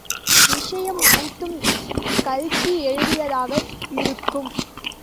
விஷயம் அனைத்தும் கல்கி எழுதியதாகத்தான் இருக்கும்.